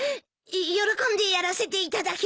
喜んでやらせていただきます。